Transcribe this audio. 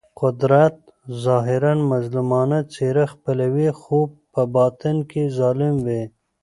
قدرت ظاهراً مظلومانه څېره خپلوي خو په باطن کې ظالم وي.